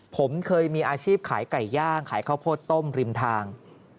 ผมเคยมีอาชีพขายไก่ย่างขายข้าวโพดต้มริมทาง